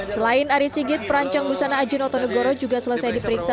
selain ari sigit perancang busana ajun otonogoro juga selesai diperiksa